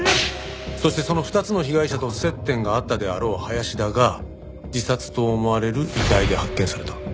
そしてその２つの被害者と接点があったであろう林田が自殺と思われる遺体で発見された。